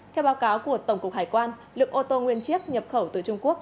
theo báo cáo của tổng cục hải quan lượng ô tô nguyên chiếc nhập khẩu từ trung quốc